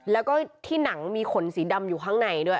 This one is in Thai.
แล้วก็ที่หนังมีขนสีดำอยู่ข้างในด้วย